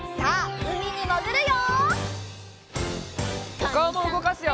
おかおもうごかすよ！